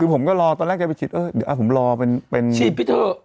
คือผมก็รอตอนแรกแกไปฉีดเออเดี๋ยวผมรอเป็นฉีดไปเถอะ